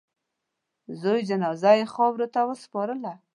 د زوی جنازه یې خاورو ته وسپارله.